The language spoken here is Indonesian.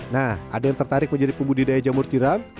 nah ada yang tertarik menjadi pembudidaya jamur tiram